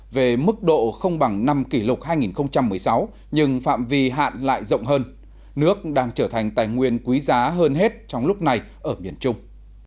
về mức độ không bằng năm kỷ lục hai nghìn một mươi sáu nhưng phạm vi hạn lại rộng hơn nước đang trở thành tài nguyên quý giá hơn hết trong lúc này ở miền trung